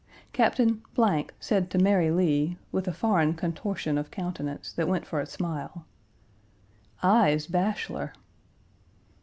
Captain said to Mary Lee, with a foreign contortion of countenance, that went for a smile, "I's bashlor."